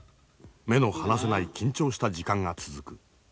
目の離せない緊張した時間が続く。